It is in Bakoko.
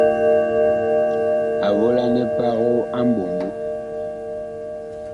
A volanɛ pago a mɓoŋgo.